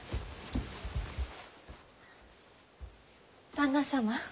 旦那様。